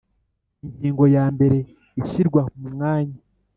Ingingo ya mbere Ishyirwa mu mwanya